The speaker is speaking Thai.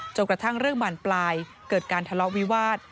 กระทั่งเรื่องบานปลายเกิดการทะเลาะวิวาส